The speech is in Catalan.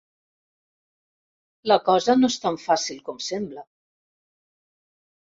La cosa no és tan fàcil com sembla.